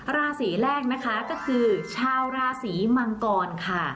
ราศีแรกนะคะก็คือชาวราศีมังกรค่ะ